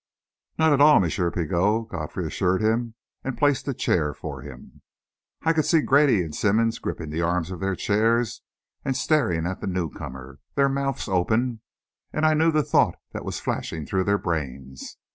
"Not at all, M. Pigot," Godfrey assured him, and placed a chair for him. I could see Grady and Simmonds gripping the arms of their chairs and staring at the newcomer, their mouths open; and I knew the thought that was flashing through their brains.